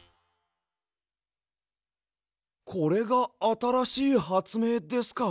これがあたらしいはつめいですか。